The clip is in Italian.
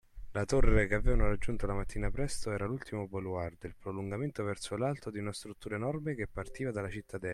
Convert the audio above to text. La torre che avevano raggiunto la mattina presto era l’ultimo baluardo, il prolungamento verso l’alto, di una struttura enorme che partiva dalla cittadella.